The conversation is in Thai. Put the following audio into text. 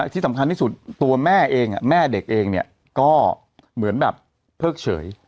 ที่สำคัญที่สุดตัวแม่เองแม่เด็กเองเนี่ยก็เหมือนแบบเพิกเฉย